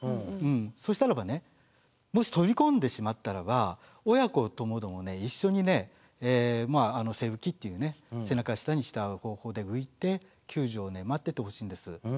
そしたらばねもし飛び込んでしまったらば親子ともどもね一緒にね背浮きっていうね背中下にした方法で浮いて救助をね待っててほしいんです。